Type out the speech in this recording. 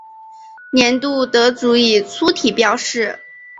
年度得主以粗体标示。